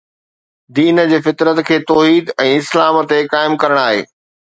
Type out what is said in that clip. دين جي فطرت کي توحيد ۽ اسلام تي قائم ڪرڻ آهي